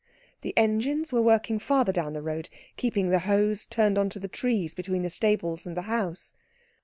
The engines were working farther down the road, keeping the hose turned on to the trees between the stables and the house.